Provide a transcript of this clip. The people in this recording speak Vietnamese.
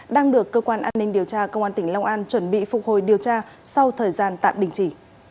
đang được cơ quan an ninh điều tra công an tp hcm chuẩn bị phục hồi điều tra sau thời gian tạm đình chỉ